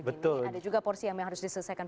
ini ada juga porsi yang harus diselesaikan